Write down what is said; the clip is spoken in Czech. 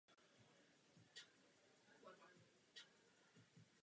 Celá rekonstrukce probíhala ve spolupráci s Národním památkovým ústavem v Ostravě.